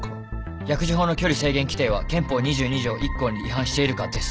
薬事法の距離制限規定は憲法２２条１項に違反しているか？です。